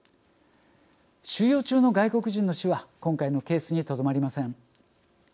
収容中の外国人の死は今回のケースにとどまりません。